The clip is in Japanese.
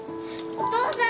お父さん！